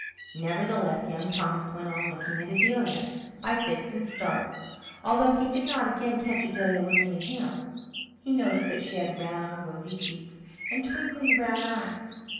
Nevertheless, Young Thomas went on looking at Adelia by fits and starts, although he did not again catch Adelia looking at him. He noticed that she had round rosy cheeks and twinkling brown eyes.